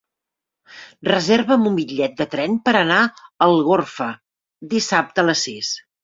Reserva'm un bitllet de tren per anar a Algorfa dissabte a les sis.